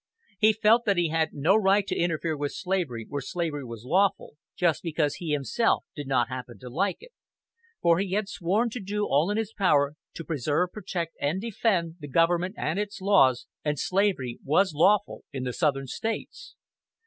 He felt that he had no right to interfere with slavery where slavery was lawful, just because he himself did not happen to like it; for he had sworn to do all in his power to "preserve, protect and defend" the government and its laws, and slavery was lawful in the southern States.